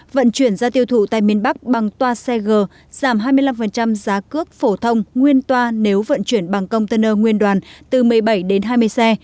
vận chuyển ra tiêu thụ tại miền bắc bằng toa xe g giảm hai mươi năm giá cước phổ thông nguyên toa nếu vận chuyển bằng container nguyên đoàn từ một mươi bảy đến hai mươi xe